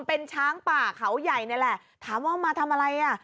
เป็นช้างป่าเขาใหญ่นี่แหละถามว่ามาทำอะไรอ่ะ